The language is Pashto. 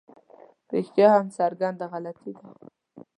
رښتیا هم څرګنده غلطي ده.